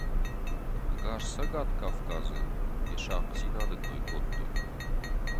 Ӕгас Цӕгат Кавказы йӕ сахъдзинады кой кодтой.